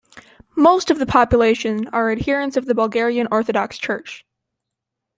Most of the population are adherents of the Bulgarian Orthodox Church.